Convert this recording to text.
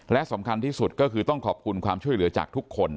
และสำคัญที่สุดก็คือต้องขอบคุณความช่วยเหลือจากทุกคน